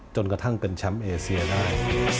จนกระทั่งเป็นแชมป์เอเซียได้